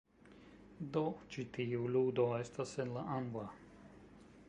Do ĉi tiu ludo estas en la angla